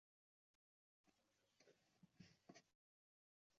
Usti — zar, ostidan ustixon chiqar.